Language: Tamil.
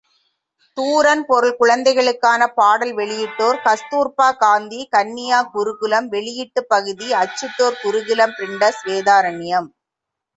தூரன் பொருள் குழந்தைகளுக்கான பாடல்கள் வெளியிட்டோர் கஸ்தூர்பா காந்தி கன்யா குருகுலம் வெளியீட்டுப்பகுதி அச்சிட்டோர் குருகுலம் பிரிண்டர்ஸ், வேதாரண்யம்.